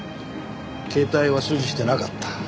携帯は所持してなかった。